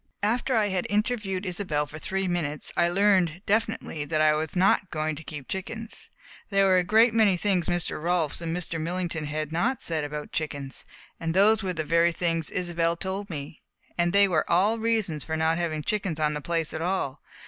After I had interviewed Isobel for three minutes I learned, definitely, that I was not going to keep chickens. There were a great many things Mr. Rolfs and Mr. Millington had not said about chickens, and those were the very things Isobel told me, and they were all reasons for not having chickens on the place at all.